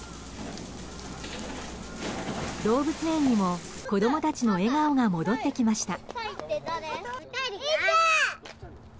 動物園にも子供たちの笑顔が戻ってきました。